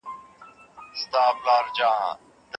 زه له ښوونکي زده کړه کوم